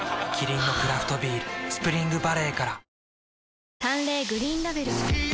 キリンのクラフトビール「スプリングバレー」から淡麗グリーンラベル